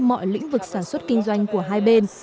mọi lĩnh vực sản xuất kinh doanh của hai bên